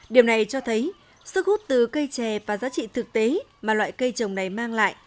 điều này cho thấy sức hút từ cây trè và giá trị thực tế mà loại cây trồng này mang lại